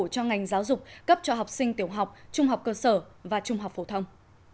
cho ngành giáo dục cấp cho học sinh tiểu học trung học cơ sở và trung học phổ thông